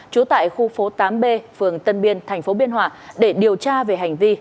trú tại khu phố tám b phường tân biên tp biên hòa để điều tra về hành vi